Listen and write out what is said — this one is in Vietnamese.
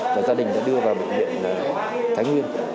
và gia đình đã đưa vào bệnh viện thái nguyên